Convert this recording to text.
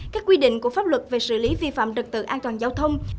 các quy định của pháp luật về xử lý vi phạm trật tự an toàn giao thông